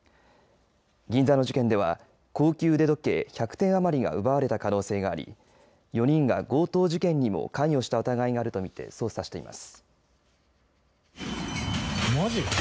銀座の事件では高級腕時計１００点余りが奪われた可能性があり４人が強盗事件にも関与した疑いがあると見て捜査しています。